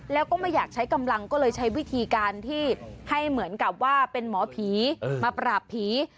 แล้วก็ไม่อยากใช้กำลังก็เลยใช้วิธีการที่ให้เหมือนกับว่าเป็นหมอผีมาปราบผี